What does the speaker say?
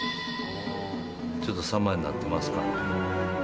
ちょっと様になってますか？